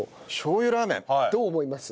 どう思います？